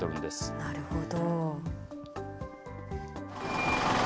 なるほど。